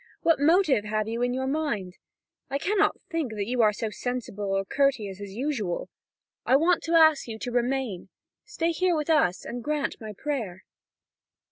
What motive have you in your mind? I cannot think that you are so sensible or courteous as usual. I want to ask you to remain: stay with us here, and grant my prayer."